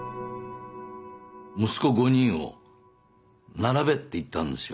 息子５人を「並べ」って言ったんですよ